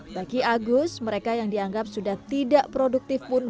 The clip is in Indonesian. bagi agus mereka yang dianggap sudah tidak produktif pun